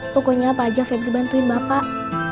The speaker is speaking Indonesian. pokoknya apa aja pebri bantuin bapak